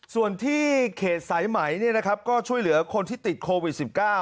ส่วนที่เขตสายไหมก็ช่วยเหลือคนที่ติดโควิด๑๙